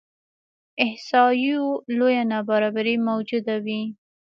احصایو لویه نابرابري موجوده وي.